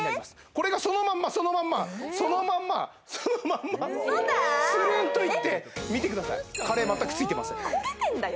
これがそのまんまそのまんまそのまんまそのまんまツルンといって見てください焦げてんだよ？